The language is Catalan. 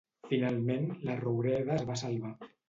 Finalment, la roureda es va salvar.